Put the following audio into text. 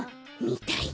みたい。